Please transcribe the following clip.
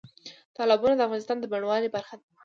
تالابونه د افغانستان د بڼوالۍ برخه ده.